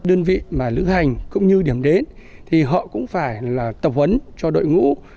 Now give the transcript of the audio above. đơn vị mà lữ hành cũng như điểm đến thì họ cũng phải là tập huấn cho đội ngũ